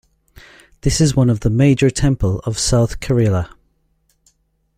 This is one of the major temple of South Kerala.